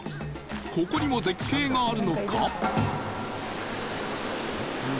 ここにも絶景があるのか？